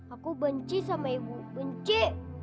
aku benci sama ibu benci